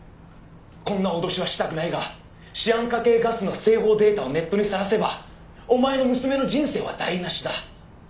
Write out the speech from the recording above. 「こんな脅しはしたくないがシアン化系ガスの製法データをネットにさらせばお前の娘の人生は台無しだ」